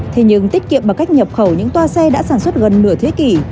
thế nhưng tiết kiệm bằng cách nhập khẩu những toa xe đã sản xuất gần nửa thế kỷ